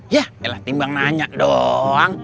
yah ya lah timbang nanya doooong